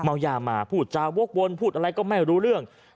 เมายามาพูดจาวกวนพูดอะไรก็ไม่รู้เรื่อง